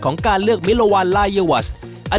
ของการเลือกมิลวาลลาเยียวัช